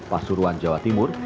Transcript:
pasuruan jawa timur